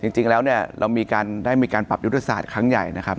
จริงแล้วเนี่ยเรามีการได้มีการปรับยุทธศาสตร์ครั้งใหญ่นะครับ